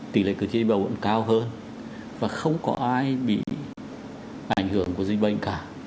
tỷ lệ cử tri bầu vẫn cao hơn và không có ai bị ảnh hưởng của dịch bệnh cả